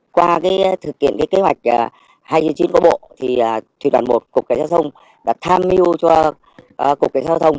qua thực hiện kế hoạch hai nghìn chín của bộ thủy đoàn một cục cảnh sát giao thông đã tham mưu cho cục cảnh sát giao thông